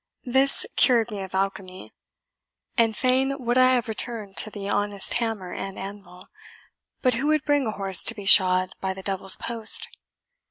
This cured me of alchemy, and fain would I have returned to the honest hammer and anvil; but who would bring a horse to be shod by the Devil's post?